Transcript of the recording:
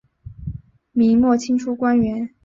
明末清初官员。